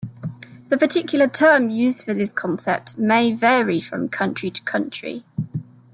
The particular term used for this concept may vary from country to country.